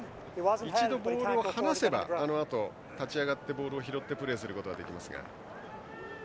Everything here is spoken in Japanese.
一度ボールを離せばそのあと、立ち上がってプレーすることができますが。